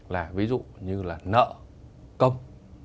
là ví dụ như là nợ công